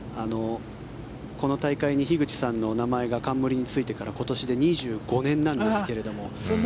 この大会に樋口さんの名前が冠についてから今年で２５年なんですけれども。